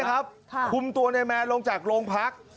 คุมตัวในแมนลงจากโรงพัก